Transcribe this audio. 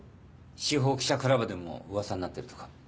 司法記者クラブでも噂になっているとか。